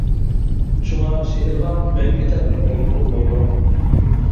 شۇڭا شېئىرغا مەڭگۈ تەبىر بەرگىلى بولمايدۇ.